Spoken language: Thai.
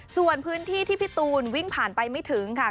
ส่วนพื้นที่ที่พี่ตูนวิ่งผ่านไปไม่ถึงค่ะ